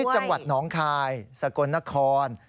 จังหวัดหนองคายสกลนคร